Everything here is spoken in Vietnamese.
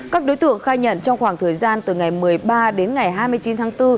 các đối tượng khai nhận trong khoảng thời gian từ ngày một mươi ba đến ngày hai mươi chín tháng bốn